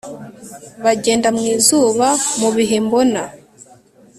Bagenda mwizuba mubihe mbona